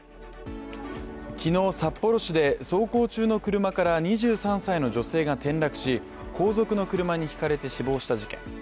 昨日、札幌市で走行中の車から２３歳の女性が転落し後続の車にひかれて死亡した事件。